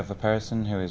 và tất cả mọi người